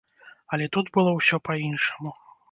Але тут было ўсё па-іншаму.